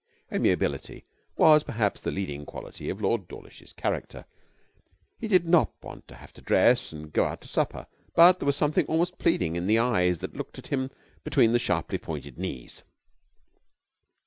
Amiability was, perhaps, the leading quality of Lord Dawlish's character. He did not want to have to dress and go out to supper, but there was something almost pleading in the eyes that looked at him between the sharply pointed knees.